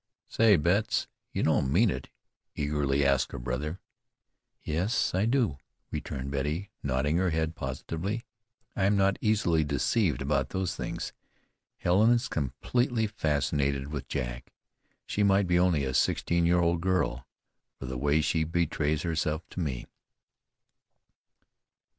"Say, Betts, you don't mean it?" eagerly asked her brother. "Yes, I do," returned Betty, nodding her head positively. "I'm not easily deceived about those things. Helen's completely fascinated with Jack. She might be only a sixteen year old girl for the way she betrays herself to me."